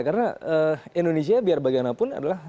karena indonesia biar bagian apun adalah